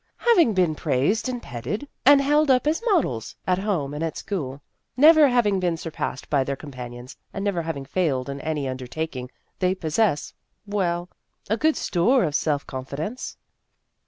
" Having been praised and petted and 1 88 Vassar Studies held up as models at home and at school, never having been surpassed by their companions, and never having failed in any undertaking, they possess well a goodly store of self confidence."